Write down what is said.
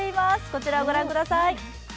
こちらをご覧ください。